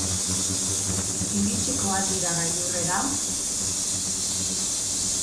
Iritsiko al dira gailurrera?